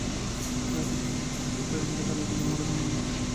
বাতাসে, আকাশে, সমুদ্রের ঢেউয়ে উচ্চারিত হতে লাগল মোরেলার নাম।